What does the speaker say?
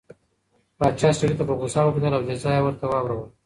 پاچا سړي ته په غوسه وکتل او جزا یې ورته واوروله.